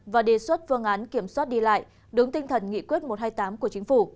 và đề xuất phương án kiểm soát đi lại đúng tinh thần nghị quyết một trăm hai mươi tám của chính phủ